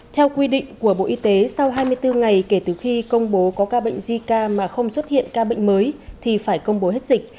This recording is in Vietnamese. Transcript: theo quy định của bộ y tế sau hai mươi bốn ngày kể từ khi công bố có ca bệnh zika mà không xuất hiện ca bệnh mới thì phải công bố hết dịch